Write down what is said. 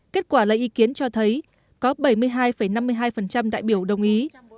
kết quả lấy ý kiến cho thấy có bảy mươi hai năm mươi hai đại biểu đồng ý